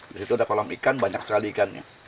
di situ ada kolam ikan banyak sekali ikannya